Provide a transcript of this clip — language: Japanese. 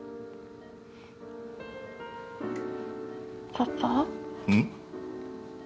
パパうん？